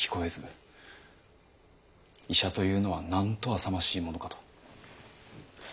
医者というのはなんとあさましいものかと。